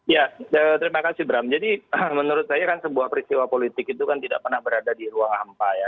ya terima kasih bram jadi menurut saya kan sebuah peristiwa politik itu kan tidak pernah berada di ruang hampa ya